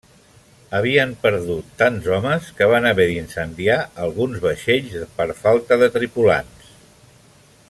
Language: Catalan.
Havien perdut tants homes que van haver d'incendiar alguns vaixells per falta de tripulants.